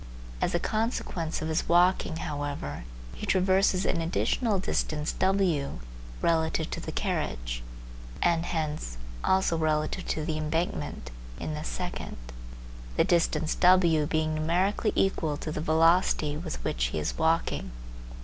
As a consequence of his walking, however, he traverses an additional distance w relative to the carriage, and hence also relative to the embankment, in this second, the distance w being numerically equal to the velocity with which he is walking.